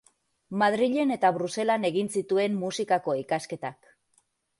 Madrilen eta Bruselan egin zituen Musikako ikasketak.